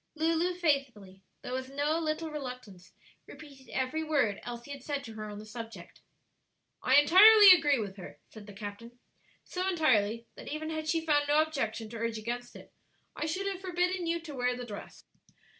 Lulu faithfully, though with no little reluctance, repeated every word Elsie had said to her on the subject. "I entirely agree with her," said the captain; "so entirely that even had she found no objection to urge against it, I should have forbidden you to wear the dress."